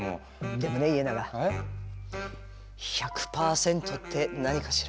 でもね家長１００％って何かしら？